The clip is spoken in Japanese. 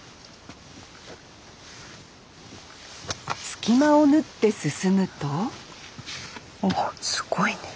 隙間を縫って進むとおおすごいね。